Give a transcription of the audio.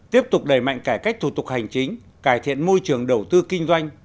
tiếp tục đẩy mạnh cải cách thủ tục hành chính cải thiện môi trường đầu tư kinh doanh